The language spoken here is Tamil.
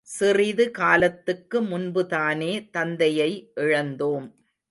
சிறிது காலத்துக்கு முன்புதானே தந்தையை இழந்தோம்.